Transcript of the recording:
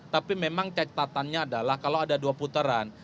tapi memang cek tatannya adalah kalau ada dua putaran